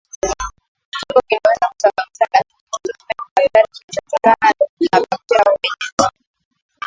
Kifo kinaweza kusababishwa na kititi kipevu hatari kinachotokana na bakteria wenye sumu